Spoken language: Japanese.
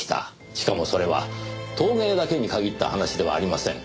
しかもそれは陶芸だけに限った話ではありません。